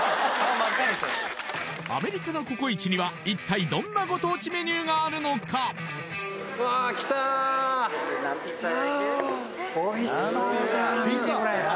アメリカのココイチには一体どんなご当地メニューがあるのかああ